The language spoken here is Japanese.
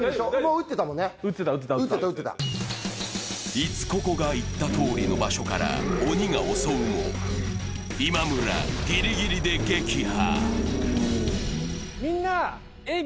いつここが言ったとおりの場所から鬼が襲うも、今村、ギリギリで撃破。